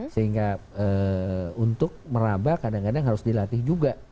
sehingga untuk merabah kadang kadang harus dilatih juga